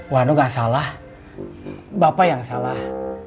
waduh gak salah bapak yang salah